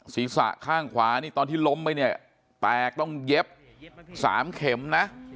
ศีรษะข้างขวานี่ตอนที่ล้มไปเนี่ยแตกต้องเย็บ๓เข็มนะ